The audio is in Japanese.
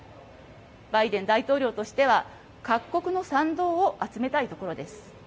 バイデン大統領としては、各国の賛同を集めたいところです。